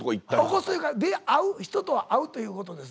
起こすというか人と会うということですね。